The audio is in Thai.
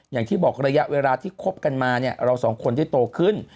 อย่างที่บอกระยะเวลาที่คบกันมาเนี่ยเราสองคนได้โตขึ้น